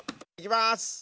いきます！